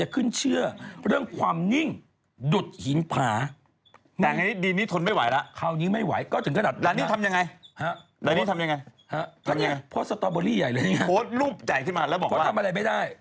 คุณชมพู่ลงบอกพาพวกมาเยอะหรือ